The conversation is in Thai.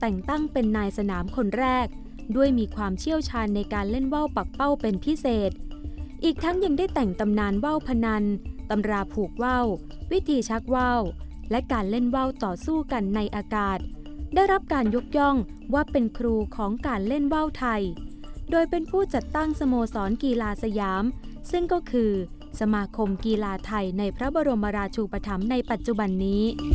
แต่งตั้งเป็นนายสนามคนแรกด้วยมีความเชี่ยวชาญในการเล่นว่าวปักเป้าเป็นพิเศษอีกทั้งยังได้แต่งตำนานว่าวพนันตำราผูกว่าววิธีชักว่าวและการเล่นว่าวต่อสู้กันในอากาศได้รับการยกย่องว่าเป็นครูของการเล่นว่าวไทยโดยเป็นผู้จัดตั้งสโมสรกีฬาสยามซึ่งก็คือสมาคมกีฬาไทยในพระบรมราชูปธรรมในปัจจุบันนี้